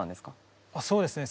そうですね。